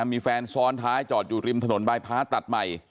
มีแฟนซ้อนท้ายจอดอยู่ริมถนนบายพ้าตัดใหม่